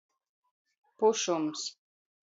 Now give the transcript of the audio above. Pušums.